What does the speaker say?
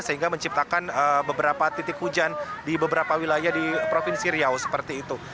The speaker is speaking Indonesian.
sehingga menciptakan beberapa titik hujan di beberapa wilayah di provinsi riau seperti itu